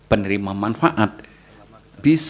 untuk nah tentu timing